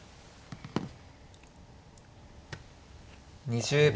２０秒。